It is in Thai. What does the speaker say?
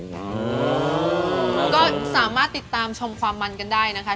ก็สามารถติดตามชมความมันกันได้นะคะ